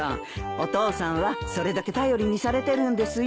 お父さんはそれだけ頼りにされてるんですよ。